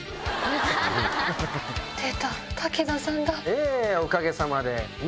ええおかげさまで。